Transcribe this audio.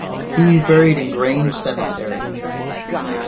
He is buried in Grange Cemetery.